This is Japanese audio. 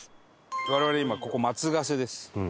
我々今ここ松ヶ瀬です。